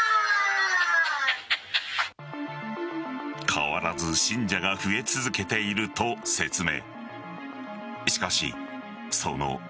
変わらず信者が増え続けていると説明。